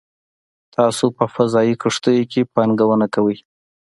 تاسو په فضايي کښتیو کې پانګونه کوئ